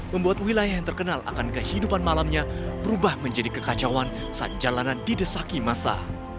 membuat wilayah yang terkenal akan kehidupan malamnya berubah menjadi kekacauan saat jalanan didesaki masa